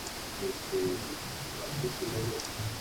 Presenta posibles efectos carcinógenos.